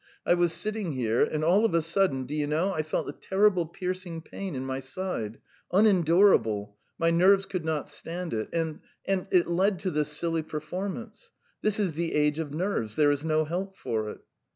"I was sitting here, and all of a sudden, do you know, I felt a terrible piercing pain in my side ... unendurable, my nerves could not stand it, and ... and it led to this silly performance. This is the age of nerves; there is no help for it."